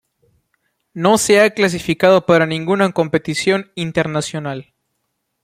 No se ha clasificado para ninguna competición internacional.